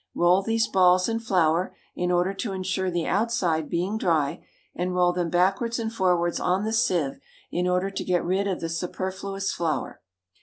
Roll these balls in flour, in order to insure the outside being dry, and roll them backwards and forwards on the sieve in order to get rid of the superfluous flour.